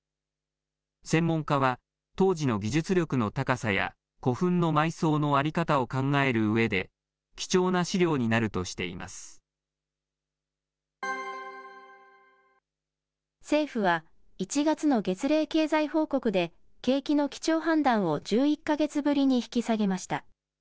専門家は、当時の技術力の高さや古墳の埋葬の在り方を考えるうえで貴重な資政府は、１月の月例経済報告で景気の基調判断を１１か月ぶりに引き下げました。